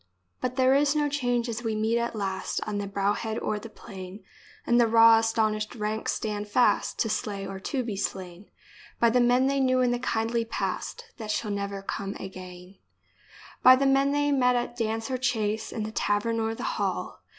But there is no change as we meet at last On the brow head or the plain, And the raw astonished ranks stand fast To slay or to be slain By the men they knew in the kindly past That shall never come again — By the men they met at dance or chase, In the tavern or the hall.